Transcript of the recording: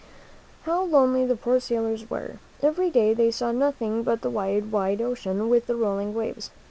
How lonely the poor sailors were ! Every day they saw nothing but the wide, wide ocean, with the rolling waves.